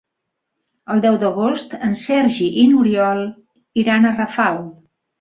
El deu d'agost en Sergi i n'Oriol iran a Rafal.